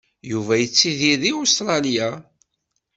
Yuba yettidir deg Ustṛalya.